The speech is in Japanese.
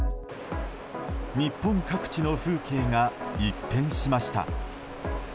日本各地の風景が一変しました。